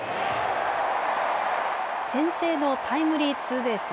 先制のタイムリーツーベース。